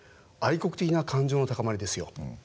愛国的な感情の高まりですよ。